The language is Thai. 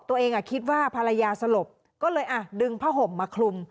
คิดว่าภรรยาสลบก็เลยดึงผ้าห่มมาคลุม